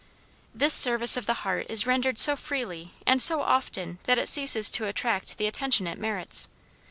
This service of the heart is rendered so freely and so often that it ceases to attract the attention it merits.